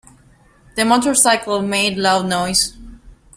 The motorcycle made loud noise.